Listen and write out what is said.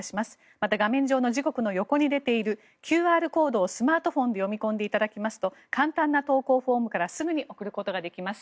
また、画面上の時刻の横に出ているＱＲコードをスマートフォンで読み込んでいただきますと簡単な投稿フォームからすぐに送ることができます。